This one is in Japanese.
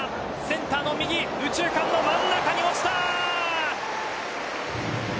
センターの右、右中間の真ん中に落ちた。